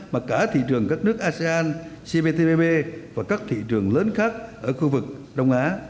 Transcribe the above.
mà cả thị trường các nước asean cptpp và các thị trường lớn khác ở khu vực đông á